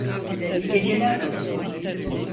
İyi geceler dostum.